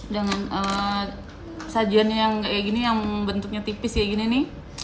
dengan sajian yang kayak gini yang bentuknya tipis kayak gini nih